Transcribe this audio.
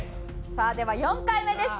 さあでは４回目です。